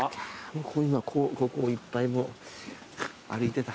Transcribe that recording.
ここ今ここいっぱい歩いてた。